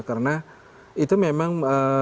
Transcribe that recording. karena itu memang